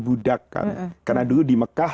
budak kan karena dulu di mekah